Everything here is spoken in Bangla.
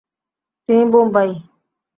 তিনি বোম্বাই